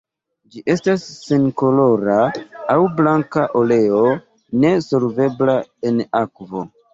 Ĝi estas senkolora aŭ blanka oleo, ne solvebla en akvo.